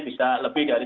bisa lebih dari